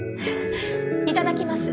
いただきます。